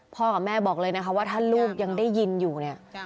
กับแม่บอกเลยนะคะว่าถ้าลูกยังได้ยินอยู่เนี่ย